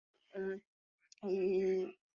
无穷小量的概念是否严格呢？